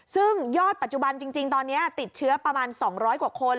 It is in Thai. ซึ่งยอดปัจจุบันจริงตอนนี้ติดเชื้อประมาณ๒๐๐กว่าคน